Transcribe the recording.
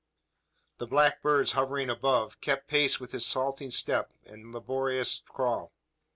The black birds hovering above, kept pace with his halting step and laborious crawl.